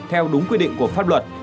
theo đúng quy định của pháp luật